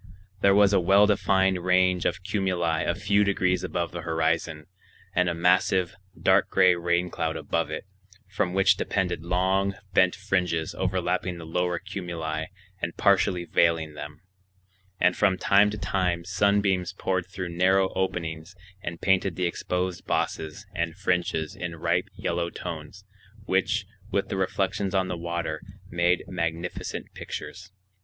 There was a well defined range of cumuli a few degrees above the horizon, and a massive, dark gray rain cloud above it, from which depended long, bent fringes overlapping the lower cumuli and partially veiling them; and from time to time sunbeams poured through narrow openings and painted the exposed bosses and fringes in ripe yellow tones, which, with the reflections on the water, made magnificent pictures.